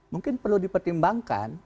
mungkin perlu dipertimbangkan